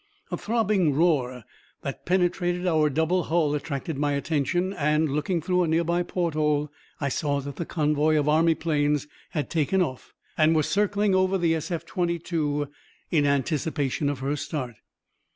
A throbbing roar that penetrated our double hull attracted my attention and, looking through a nearby porthole, I saw that the convoy of army planes had taken off and was circling over the SF 22 in anticipation of her start.